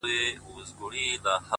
خو هغه نجلۍ ټوله مست سرور دی د ژوند _